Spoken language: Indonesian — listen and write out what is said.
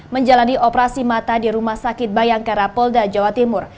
menjalani operasi mata di rumah sakit bayangkara polda jawa timur